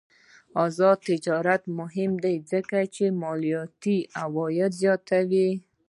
آزاد تجارت مهم دی ځکه چې مالیاتي عاید زیاتوي.